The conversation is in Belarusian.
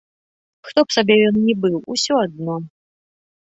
Хто б сабе ён ні быў, усё адно.